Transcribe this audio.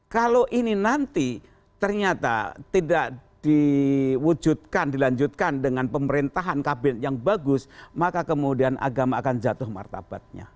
kalau ini nanti ternyata tidak diwujudkan dilanjutkan dengan pemerintahan kabinet yang bagus maka kemudian agama akan jatuh martabatnya